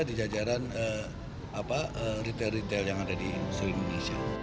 di jajaran retail retail yang ada di seluruh indonesia